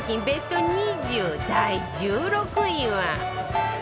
ベスト２０第１６位は